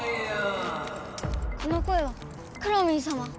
この声はくろミンさま！